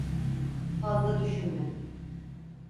Fazla düşünme.